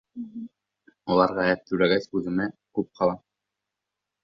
Уларға әҙ түләгәс, үҙемә күп ҡала.